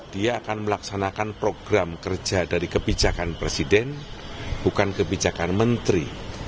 dia akan melaksanakan program kerja dari kebijakan presiden bukan kebijakan menteri